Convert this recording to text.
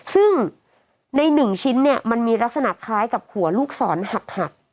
ซึ่งใน๑ชิ้นมันมีลักษณะคล้ายกับหัวลูกศรหัก